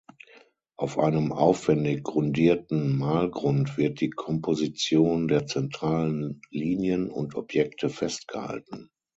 Auf einem aufwendig grundierten Malgrund wird die Komposition der zentralen Linien und Objekte festgehalten.